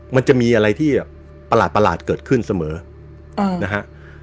มันจะมีอะไรที่ประหลาดประหลาดเกิดขึ้นเสมออืมนะฮะ